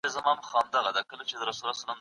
لوستې مور د ماشومانو د اوبو څښلو ته هڅونه کوي.